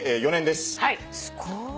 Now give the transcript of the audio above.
・すごい！